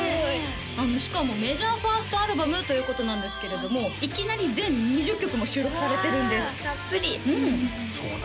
しかもメジャー１ｓｔアルバムということなんですけれどもいきなり全２０曲も収録されてるんですうわ